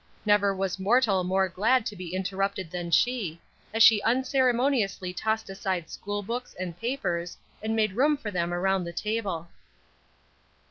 Never was mortal more glad to be interrupted than she, as she unceremoniously tossed aside school books and papers, and made room for them around the table.